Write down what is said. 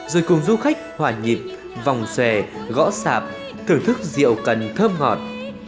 rồi cùng du khách hòa nhịp vòng xòe gõ sạp thưởng thức rượu cần thơm ngọt